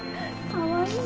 かわいい！